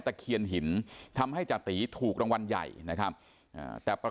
ตะเคียนหินทำให้จะตีถูกรางวัลใหญ่นะครับ